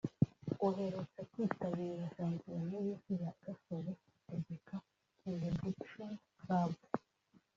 uherutse kwitabira Shampiyona y’Isi na Gasore Hategeka (Benediction Club)